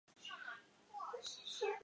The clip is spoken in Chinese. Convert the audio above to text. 在约定的时间前来